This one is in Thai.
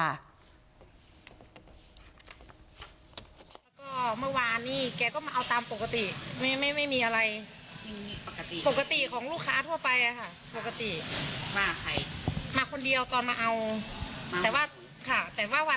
เหมือนลูกค้าทั่วไปค่ะ